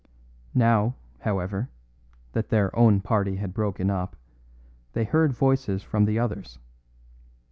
Now, however, that their own party had broken up, they heard voices from the others.